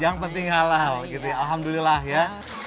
yang penting halal gitu ya alhamdulillah ya